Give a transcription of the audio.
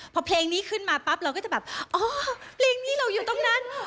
พอเพลงนี้ขึ้นมาปั๊บเราก็จะแบบอ๋อเพลงนี้เราอยู่ตรงนั้น